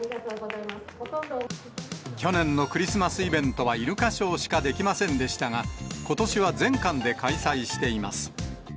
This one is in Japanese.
去年のクリスマスイベントはイルカショーしかできませんでしたが、ことしは全館で開催しています。